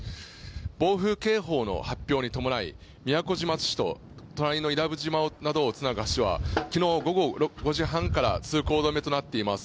暴風警報の発表に伴い宮古島市と隣の伊良部島では昨日午後５時半から通行止めとなっています。